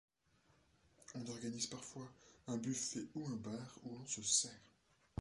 On organise parfois un buffet, ou un bar, où l'on se sert.